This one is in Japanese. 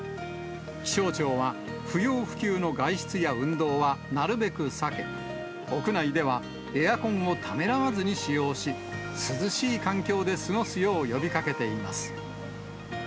気象庁は不要不急の外出や運動はなるべく避け、屋内ではエアコンをためらわずに使用し、涼しい環境で過ごすよう呼びかけています。